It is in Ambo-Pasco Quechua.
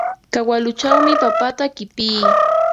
Kawalluchawmi papata qipii.